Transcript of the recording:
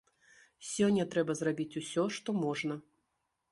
Сёння трэба зрабіць усё, што можна.